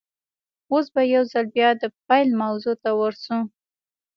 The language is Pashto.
اوس به يوځل بيا د پيل موضوع ته ور شو.